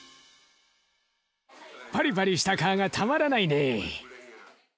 パリパリした皮がたまらないね。